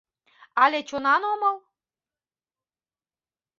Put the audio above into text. — Але чонан омыл?